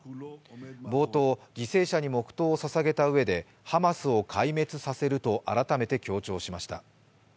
冒頭、犠牲者に黙とうをささげたうえでハマスを壊滅させると改めて強調しました。